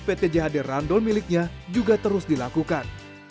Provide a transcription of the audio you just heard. pt jad randol miliknya juga terus dilakukan